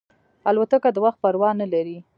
الوتکه د وخت پروا نه لري.